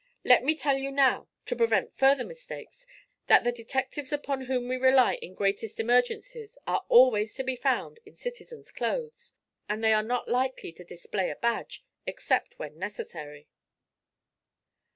Let me tell you now, to prevent further mistakes, that the detectives upon whom we rely in greatest emergencies are always to be found in citizen's clothes, and they are not likely to display a badge, except when necessary.'